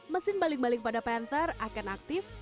mesin balik balik pada panther akan aktif